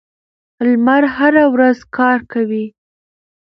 لمر هره ورځ کار کوي.